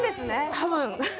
多分。